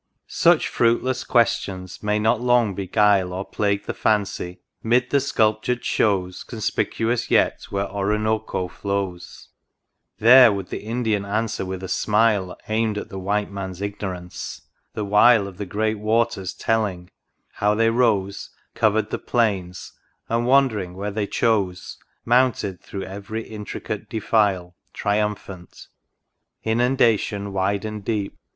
Such fruitless questions may not long beguile Or plague the fancy, mid the sculptured shows Conspicuous yet where Oroonoko flows ; There would the Indian answer with a smile Aim^d at the White Man's ignorance, the while Of the Great Waters telling, how they rose, Covered the plains, and wandering where they chose^ Mounted through every intricate defile. Triumphant, — Inundation wide and deep.